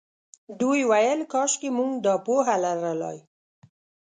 دوی ویل کاشکې موږ دا پوهه لرلای.